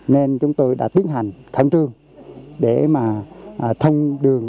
nên chúng tôi đã tiến hành khẩn trương để mà thông đường